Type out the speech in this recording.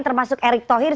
termasuk erick thohir